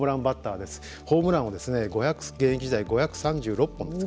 ホームランを現役時代５３６本。